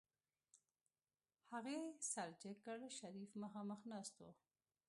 هغې سر جګ کړ شريف مخاخ ناست و.